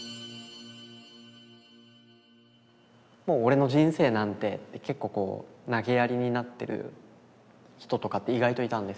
「もう俺の人生なんて」って結構こうなげやりになってる人とかって意外といたんですよね。